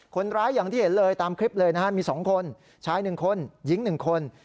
คนร้ายอย่างที่เห็นเลยตามคลิปเลยนะฮะมีสองคนชายหนึ่งคนหญิงหนึ่งคน